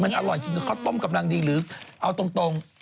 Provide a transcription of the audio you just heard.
มันอร่อยจริงข้าวต้มกำลังดีหรือเอาตรง